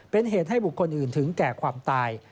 เป็นเหตุให้บุคคลอื่นถึงแก่ความตาย